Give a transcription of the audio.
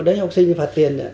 các học sinh phạt tiền